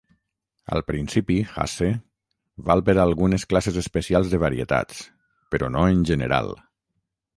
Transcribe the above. El principi Hasse val per a algunes classes especials de varietats, però no en general.